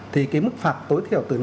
thì cái mức phạt tối thiểu từ năm trăm linh